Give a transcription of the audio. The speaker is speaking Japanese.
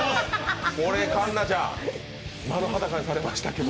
これ、環奈ちゃん、丸裸にされましたけど。